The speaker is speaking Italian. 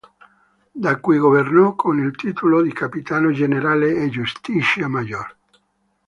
Da qui governò con il titolo di capitano generale e "Justicia Mayor".